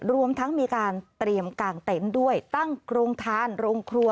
รวมทั้งมีการเตรียมกางเต็นต์ด้วยตั้งโครงทานโรงครัว